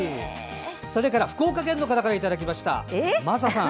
それから福岡県の方からいただきました、マサさん。